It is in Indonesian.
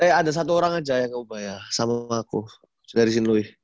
eh ada satu orang aja yang ubaya sama aku dari st louis